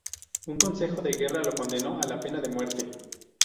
Un consejo de guerra lo condenó a la pena de muerte.